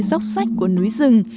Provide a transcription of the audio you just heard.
dốc sách của núi rừng